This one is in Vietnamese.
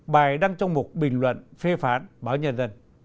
bài đăng trong một bình luận phê phán báo nhân dân